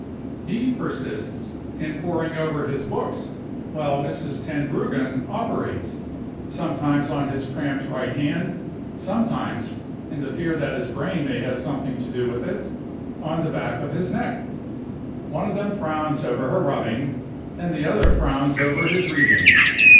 He persists in poring over his books while Mrs. Tenbruggen operates, sometimes on his cramped right hand, sometimes (in the fear that his brain may have something to do with it) on the back of his neck. One of them frowns over her rubbing, and the other frowns over his reading.